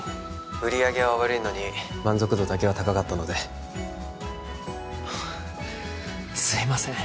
☎売り上げは悪いのに満足度だけは高かったのですいません